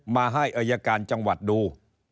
มาให้อายการจังหวัดดู